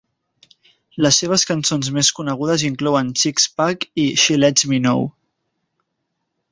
Les seves cançons més conegudes inclouen "Six Pack" i "She Lets Me Know".